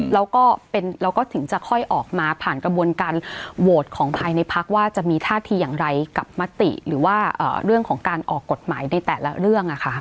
แล้วก็ถึงจะค่อยออกมาผ่านกระบวนการโหวตของภายในพักว่าจะมีท่าทีอย่างไรกับมติหรือว่าเรื่องของการออกกฎหมายในแต่ละเรื่อง